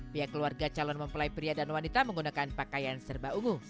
pihak keluarga calon mempelai pria dan wanita menggunakan pakaian serba ungu